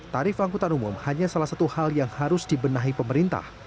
tarif angkutan umum hanya salah satu hal yang harus dibenahi pemerintah